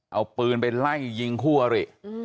เอาปืนไปไล่ยิงคู่อริ